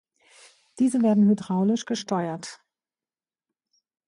Diese werden hydraulisch gesteuert.